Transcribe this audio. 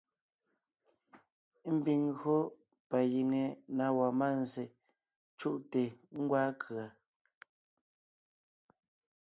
Ḿbiŋ ńgÿo pa giŋe na wɔɔn mánzsè cú’te ńgwaa kʉ̀a.